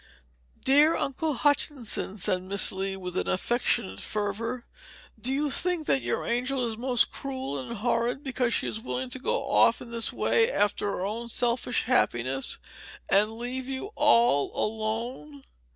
"Dear Uncle Hutchinson," said Miss Lee, with affectionate fervor, "do you think that your angel is most cruel and horrid because she is willing to go off in this way after her own selfish happiness and leave you all alone?